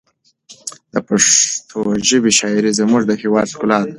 د پښتو ژبې شاعري زموږ د هېواد ښکلا ده.